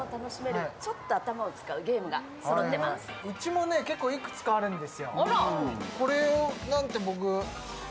うちも結構いくつかあるんですよ。